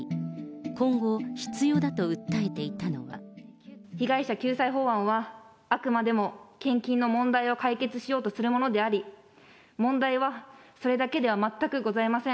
今後、被害者救済法案は、あくまでも献金の問題を解決しようとするものであり、問題はそれだけでは全くございません。